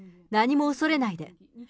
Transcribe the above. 何も恐れないで。